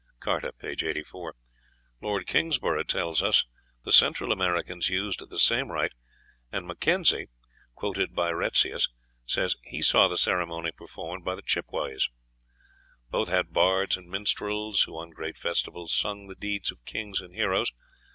("Carta," p. 84.) Lord Kingsborough tells us the Central Americans used the same rite, and McKenzie (quoted by Retzius) says he saw the ceremony performed by the Chippeways. Both had bards and minstrels, who on great festivals sung the deeds of kings and heroes.